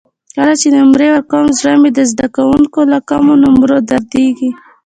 کله چې نمرې ورکوم زړه مې د زده کوونکو له کمو نمرو دردېږي.